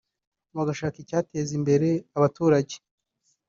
bagashaka icyateza imbere abaturage